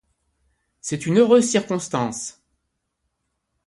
C’est une heureuse circonstance !